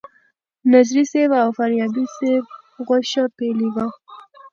نظري صیب او فاریابي صیب غوښه پیلې وه.